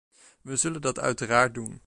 We zullen dat uiteraard doen.